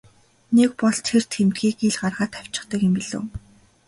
Нэг бол тэр тэмдгийг ил гаргаад тавьчихдаг юм билүү.